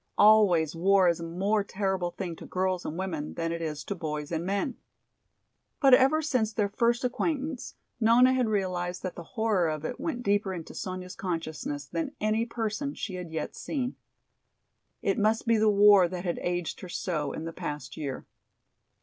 Always war is a more terrible thing to girls and women than it is to boys and men. But ever since their first acquaintance Nona had realized that the horror of it went deeper into Sonya's consciousness than any person she had yet seen. It must be the war that had aged her so in the past year.